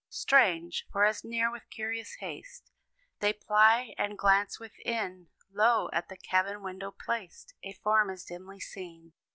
Strange! for, as near with curious haste They ply, and glance within, Lo! at the cabin window placed, A form is dimly seen.